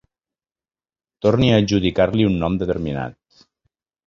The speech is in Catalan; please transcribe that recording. Torni a adjudicar-li un nom determinat.